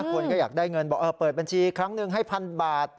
คนก็อยากได้เงินบอกเปิดบัญชีครั้งหนึ่งให้พันบาท